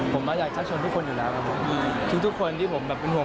ผมก็อยากชัดชวนทุกคนอยู่แล้วครับครับผม